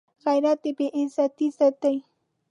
غیرت د بې عزتۍ ضد دی